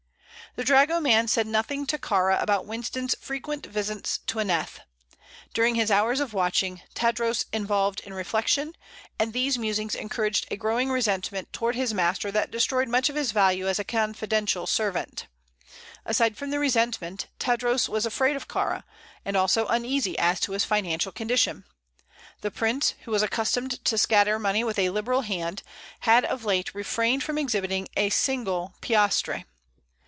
The dragoman said nothing to Kāra about Winston's frequent visits to Aneth. During his hours of watching Tadros indulged in reflection, and these musings encouraged a growing resentment toward his master that destroyed much of his value as a confidential servant. Aside from the resentment, Tadros was afraid of Kāra, and also uneasy as to his financial condition. The prince, who was accustomed to scatter money with a liberal hand, had of late refrained from exhibiting a single piastre.